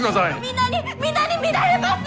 皆に皆に見られます！